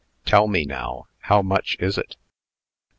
"Tell me, now, how much it is."